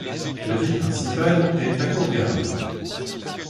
La ville principale est Thakurgaon.